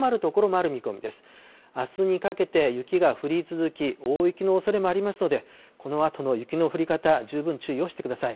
あすにかけて雪が降り続き、大雪のおそれもありますので、このあとの雪の降り方、十分注意をしてください。